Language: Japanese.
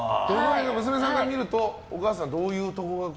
娘さんから見るとお母さんはどういうところが。